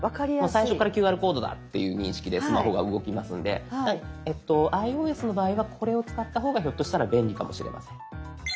最初からＱＲコードだっていう認識でスマホが動きますのでｉＯＳの場合はこれを使った方がひょっとしたら便利かもしれません。